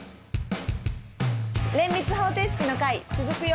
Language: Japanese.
連立方程式の回続くよ！